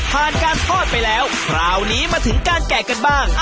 ผ่านการถ้อนไปแล้วคราวนี้มาถึงก้างแกะบ้าง